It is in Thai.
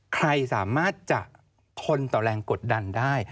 ใครสามารถจะทนต่อแรงกดดันได้